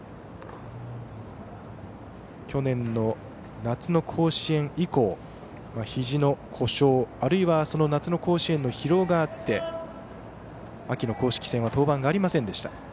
去年の夏の甲子園以降ひじの故障あるいは夏の甲子園での疲労があって、秋の公式戦は登板がありませんでした。